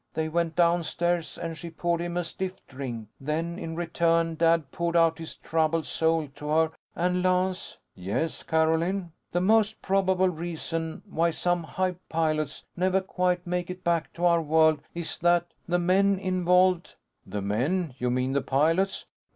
They went downstairs and she poured him a stiff drink. Then in return, Dad poured out his troubled soul to her. And Lance " "Yes, Carolyn?" "The most probable reason why some hype pilots never quite make it back to our world is that the men involved " "The men? You mean, the pilots?"